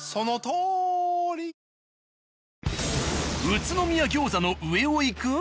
宇都宮餃子の上をいく？